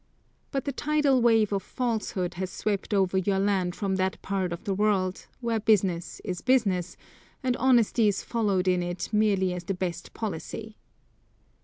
But the tidal wave of falsehood has swept over your land from that part of the world, where business is business, and honesty is followed in it merely as the best policy.